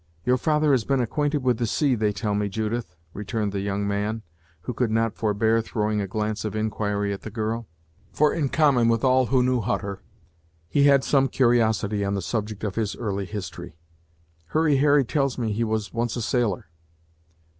"Your father has been acquainted with the sea, they tell me, Judith," returned the young man, who could not forbear throwing a glance of inquiry at the girl; for in common with all who knew Hutter, he had some curiosity on the subject of his early history. "Hurry Harry tells me he was once a sailor."